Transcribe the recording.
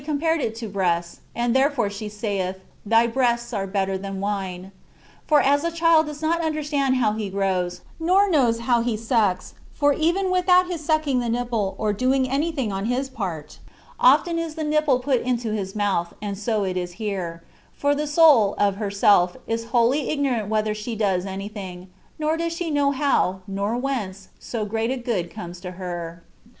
255 pared it to breasts ; and therefore she saith, ^' Thy breasts are better than wine/' For as a child does not understand how he grows, nor knows how he sucks, for (even without his sucking the nipple, or doing anything on his part) often is the nipple put into his mouth ; and so it is here ; for the soul, of herself, is wholly ignorant whether she does anything ; nor does she know how, nor whence, so great a good comes to her.